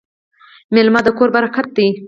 میلمه د کور برکت دی.